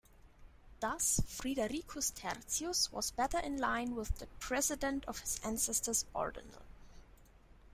Thus, "Fridericus tertius" was better in line with the precedent of his ancestor's ordinal.